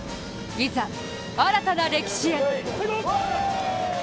いざ、新たな歴史へ。